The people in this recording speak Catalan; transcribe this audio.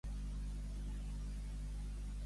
Milità també a Solidaritat Internacional Antifeixista.